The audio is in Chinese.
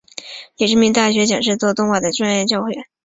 也是名大学讲师做动画专业教学。